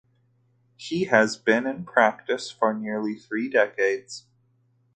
He has been in practice for nearly three decades.